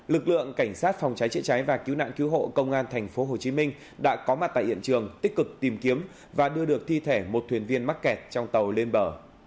lực lượng cảnh sát phòng trái trị trái và cứu nạn cứu hộ công an thành phố hồ chí minh đã có mặt tại hiện trường tích cực tìm kiếm và đưa được thi thể một thuyền viên mắc kẹt trong tàu lên bờ